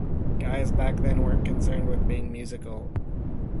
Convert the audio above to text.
Guys back then weren't concerned with being musical.